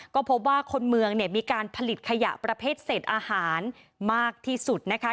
ก็พบว่าคนเมืองเนี่ยมีการผลิตขยะประเภทเศษอาหารมากที่สุดนะคะ